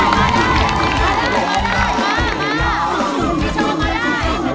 มันได้มันได้